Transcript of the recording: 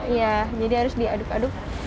iya jadi harus diaduk aduk